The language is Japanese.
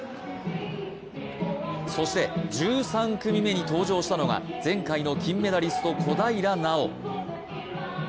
そして１３組目に登場したのが前回の金メダリスト、小平奈緒。